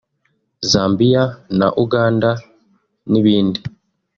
Zambia na Uganda n’ibindi